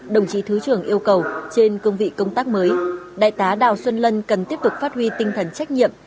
đồng chí thứ trưởng yêu cầu trên cương vị công tác mới đại tá đào xuân lân cần tiếp tục phát huy tinh thần trách nhiệm